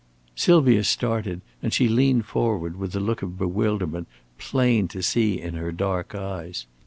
Sylvia started, and she leaned forward with a look of bewilderment plain to see in her dark eyes.